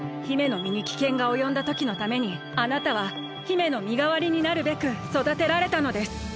姫のみにきけんがおよんだときのためにあなたは姫のみがわりになるべくそだてられたのです。